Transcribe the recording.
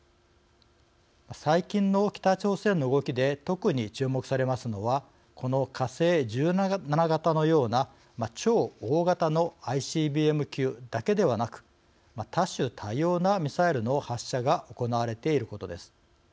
最近の北朝鮮の動きで特に注目されますのはこの火星１７型のような超大型のＩＣＢＭ級だけではなく多種多様なミサイルの発射が行われていることです。